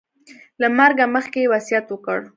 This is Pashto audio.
له مرګه مخکې یې وصیت وکړ.